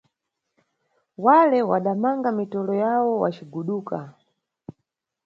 Wale madamanga mitolo yawo, waciguduka.